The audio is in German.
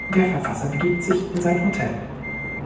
Der Verfasser begibt sich in sein Hotel.